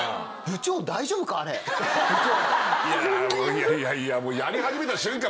いやいやいややり始めた瞬間